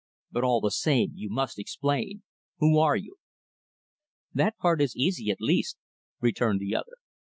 "But, all the same, you must explain. Who are you?" "That part is easy, at least," returned the other.